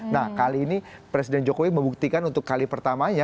nah kali ini presiden jokowi membuktikan untuk kali pertamanya